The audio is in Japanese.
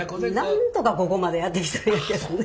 なんとかここまでやってきたんやけどね。